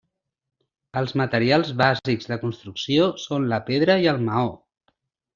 Els materials bàsics de construcció són la pedra i el maó.